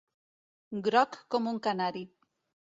Groc com un canari.